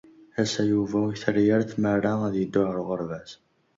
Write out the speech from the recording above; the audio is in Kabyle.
Ass-a, Yuba ur t-terri ara tmara ad yeddu ɣer uɣerbaz.